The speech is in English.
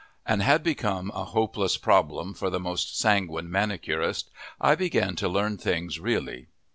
and had become a hopeless problem for the most sanguine manicurist, I began to learn things really.